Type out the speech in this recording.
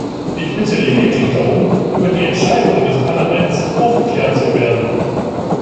Ich bitte lediglich darum, über die Entscheidungen des Parlaments aufgeklärt zu werden.